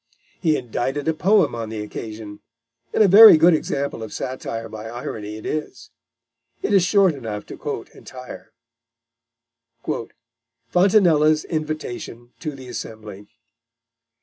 He indited a poem on the occasion, and a very good example of satire by irony it is. It is short enough to quote entire: FRONTINELLA'S INVITATION TO THE ASSEMBLY.